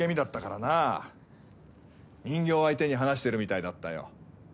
人形相手に話してるみたいだったよ。